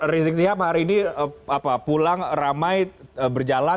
rijik siapa hari ini pulang ramai berjalan